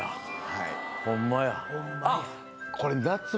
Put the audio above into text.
はい。